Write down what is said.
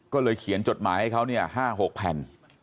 ก็เลยเขียนจดหมายให้เขา๕๖แผ่น